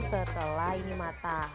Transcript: setelah ini matah